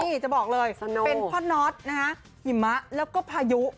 นี่จะบอกเลยเป็นพ่อน็อตนะฮะหิมะแล้วก็พายุ